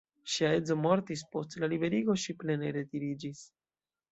Ŝia edzo mortis, post la liberiĝo ŝi plene retiriĝis.